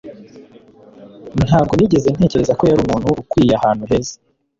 ntabwo nigeze ntekereza ko yari umuntu ukwiye ahantu heza